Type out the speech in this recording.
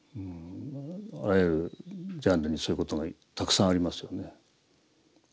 あらゆるジャンルにそういうことがたくさんありますよね。